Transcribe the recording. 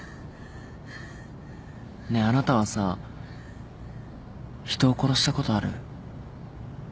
ねえあなたはさ人を殺したことある？